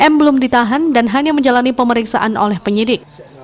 m belum ditahan dan hanya menjalani pemeriksaan oleh penyidik